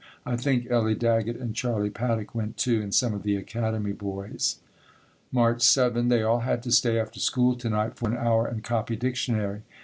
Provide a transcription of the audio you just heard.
I think Ellie Daggett and Charlie Paddock went, too, and some of the Academy boys. March 7. They all had to stay after school to night for an hour and copy Dictionary.